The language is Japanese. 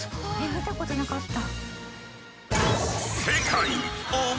見たことなかった。